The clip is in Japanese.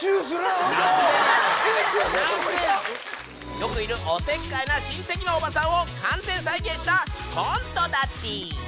よくいるおせっかいな親戚のおばさんを完全再現したコントだティ。